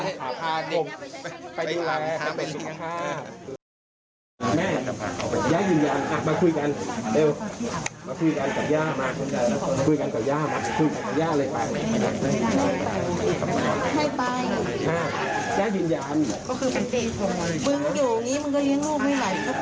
ก็คือเป็นเด็กผมมึงอยู่อย่างนี้มึงก็ยังรูปไม่ไหลก็ไป